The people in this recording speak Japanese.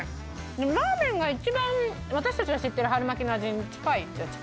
ラーメンが一番私たちが知ってる春巻きの味に近いっちゃ近い？